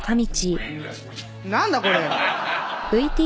何だ⁉これ！